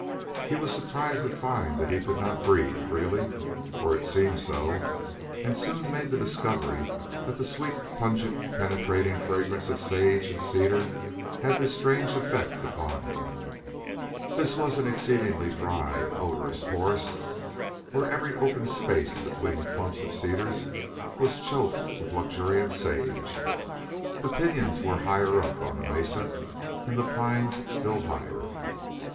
He was surprised to find that he could not breathe freely, or it seemed so, and soon made the discovery that the sweet, pungent, penetrating fragrance of sage and cedar had this strange effect upon him. This was an exceedingly dry and odorous forest, where every open space between the clumps of cedars was choked with luxuriant sage. The pinyons were higher up on the mesa, and the pines still higher.